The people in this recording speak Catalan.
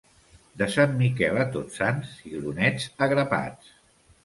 De Sant Miquel a Tots Sants cigronets a grapats.